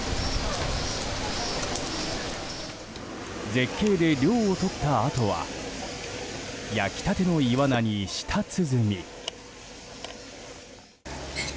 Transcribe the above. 絶景で涼をとったあとは焼きたてのイワナに舌鼓。